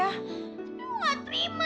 aku gak terima